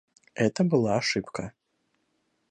Это была ошибка.